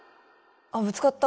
あっぶつかった